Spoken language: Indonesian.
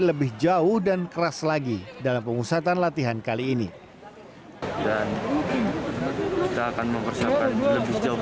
lebih jauh dan keras lagi dalam pengusatan latihan kali ini dan kita akan mempersiapkan lebih jauh